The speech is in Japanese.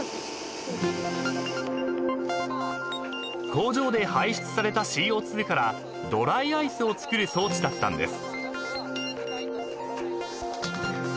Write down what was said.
［工場で排出されたＣＯ２からドライアイスを作る装置だったんです］